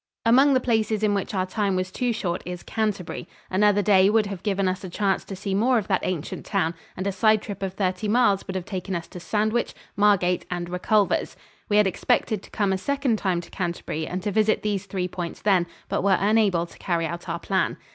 Among the places in which our time was too short is Canterbury. Another day would have given us a chance to see more of that ancient town, and a side trip of thirty miles would have taken us to Sandwich, Margate and Reculvers. We had expected to come a second time to Canterbury and to visit these three points then, but were unable to carry out our plan.